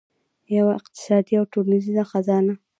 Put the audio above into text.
یوه اقتصادي او ټولنیزه خزانه.